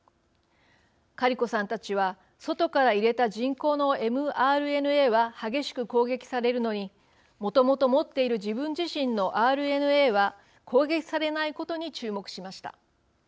カリコさんたちは、外から入れた人工のｍＲＮＡは激しく攻撃されるのにもともと持っている自分自身のｍＲＮＡは攻撃されないことに注目しました。